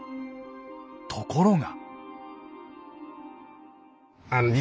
ところが。